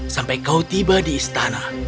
sampai kau tiba di istana